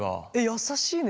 優しいね。